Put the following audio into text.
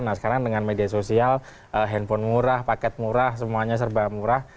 nah sekarang dengan media sosial handphone murah paket murah semuanya serba murah